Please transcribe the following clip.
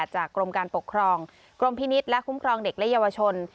จากกรมการปกครองกรมพินิษฐ์และคุ้มครองเด็กและเยาวชน